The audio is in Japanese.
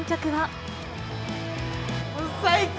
最高。